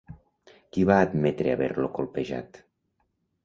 Qui va admetre haver-lo colpejat?